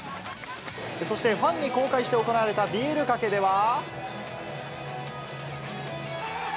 そして、ファンに公開して行われたビールかけでは。